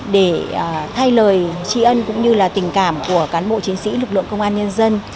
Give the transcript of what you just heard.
để thay lời trí ân cũng như là tình cảm của cán bộ chiến sĩ lực lượng công an nhân dân